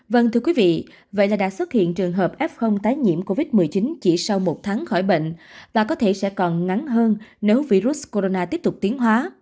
vâng thưa quý vị vậy là đã xuất hiện trường hợp f tái nhiễm covid một mươi chín chỉ sau một tháng khỏi bệnh và có thể sẽ còn ngắn hơn nếu virus corona tiếp tục tiến hóa